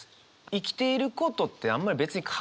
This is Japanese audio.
生きていることってあんまり別に考えない。